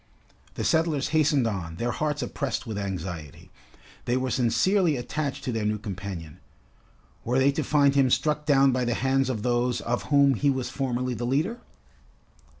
The settlers hastened on, their hearts oppressed with anxiety. They were sincerely attached to their new companion. Were they to find him struck down by the hands of those of whom he was formerly the leader?